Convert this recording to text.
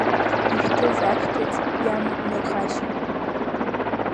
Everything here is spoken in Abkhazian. Ишәҭыз ашәҭыц иамам нырхашьа.